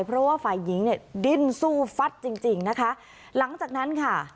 เพราะว่าฝ่ายหญิงเนี่ยดิ้นสู้ฟัดจริงจริงนะคะหลังจากนั้นค่ะ